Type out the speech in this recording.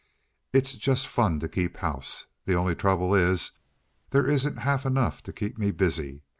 It's just fun to keep house. The only trouble is, there isn't half enough to keep me busy.